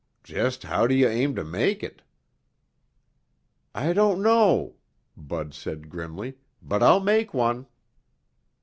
"Just how do you aim to make it?" "I don't know," Bud said grimly, "but I'll make one."